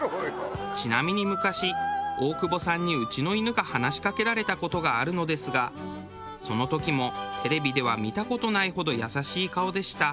ちなみに昔大久保さんにうちの犬が話しかけられた事があるのですがその時もテレビでは見た事ないほど優しい顔でした。